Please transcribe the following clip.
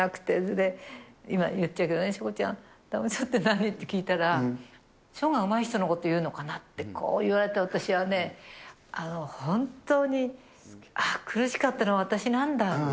で、今、言っちゃうけどね、翔子ちゃん、ダウン症って何？って聞いたら、書がうまい人のこというのかなって、こう言われて私はね、本当に、あー、苦しかったのは私なんだって。